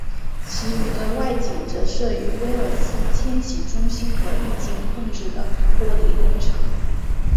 其余的外景则摄于威尔斯千禧中心和一间空置的玻璃工厂。